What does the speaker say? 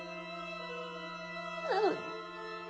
なのに。